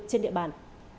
trên địa bàn